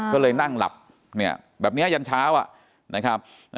ก็เลยนั่งหลับเนี่ยแบบเนี้ยยันเช้า